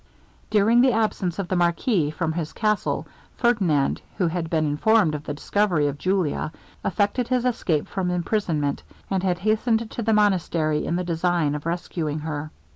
During the absence of the marquis from his castle, Ferdinand, who had been informed of the discovery of Julia, effected his escape from imprisonment, and had hastened to the monastery in the design of rescuing her.